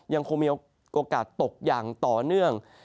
ยังคงมีโอกาสตกอย่างต่อเนื่อง